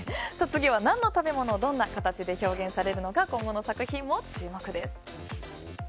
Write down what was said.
次は何の食べ物どんな形で表現されるのか今後の作品も注目です。